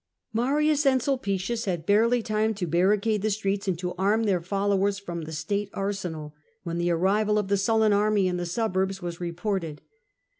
Marius and Sulpicius had barely time to barricade the streets and to arm their followers from the state arsenal, when the arrival of the Sullan army in the suburbs was reported.